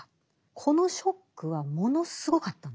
このショックはものすごかったんです。